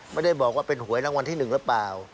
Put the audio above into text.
ไม่ได้บอกว่าเป็นหวยรางวัลที่๑หรือเปล่า